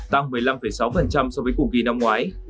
tăng một mươi năm sáu so với cùng kỳ năm ngoái